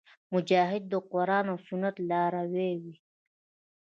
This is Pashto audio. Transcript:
مجاهد د قرآن او سنت لاروی وي.